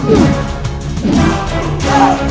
perasaan semua saping kayak gini